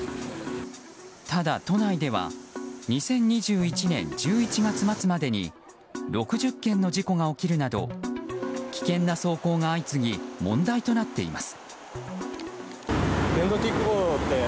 ただ、都内では２０２１年１１月末までに６０件の事故が起きるなど危険な走行が相次ぎ問題となっています。